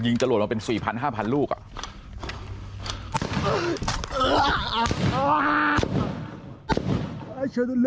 ยิงจะโหลดมาเป็นสี่พันห้าพันลูกอ่ะ